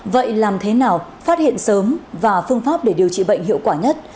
vậy làm thế nào phát hiện sớm và phương pháp để điều trị bệnh hiệu quả nhất